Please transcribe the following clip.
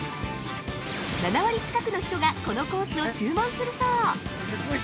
７割近くの人がこのコースを注文するそう。